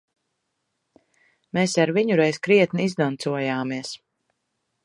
Mēs ar viņu reiz krietni izdancojāmies.